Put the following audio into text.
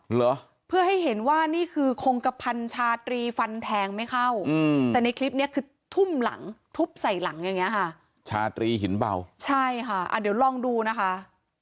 เหรอเพื่อให้เห็นว่านี่คือคงกระพันชาตรีฟันแทงไม่เข้าอืมแต่ในคลิปเนี้ยคือทุ่มหลังทุบใส่หลังอย่างเงี้ค่ะชาตรีหินเบาใช่ค่ะอ่าเดี๋ยวลองดูนะคะ